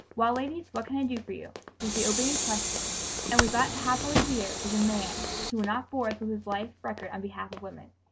"Well, ladies, what can I do for you?" was the opening question, and we' thought happily here is a man who will not bore us with his life record on behalf of women.